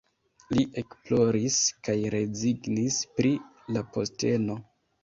Li ekploris kaj rezignis pri la posteno.